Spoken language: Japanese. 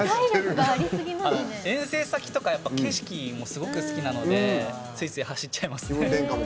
遠征先とか景色もすごく好きなのでついつい走っちゃいますね。